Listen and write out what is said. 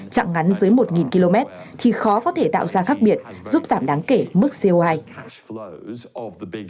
trạng ngắn dưới một km thì khó có thể tạo ra khác biệt giúp giảm đáng kể mức co hai